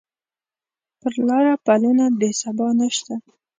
پر لاره پلونه د سبا نشته